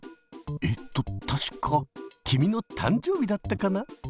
えっと確か君の誕生日だったかな？